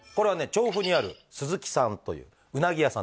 調布にある鈴木さんといううなぎ屋さんです